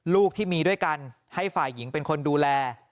ลูกที่มีด้วยกันให้ฝ่ายหญิงเป็นคนดูแล